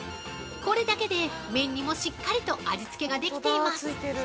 これだけで麺にも、しっかりと味つけができています。